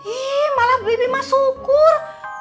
ih malah bibimah syukur